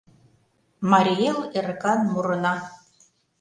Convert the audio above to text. Марий Эл — эрыкан мурына